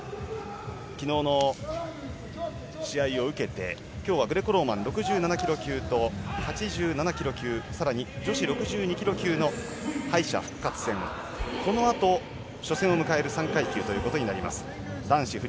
昨日の試合を受けて今日はグレコローマン６７ｋｇ級と８７ｋｇ級、さらに女子６２ｋｇ級の敗者復活戦、このあと初戦を迎える３階級ということになります。